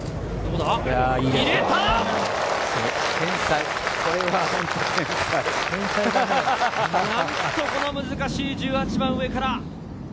なんとこの難しい１８番を上から！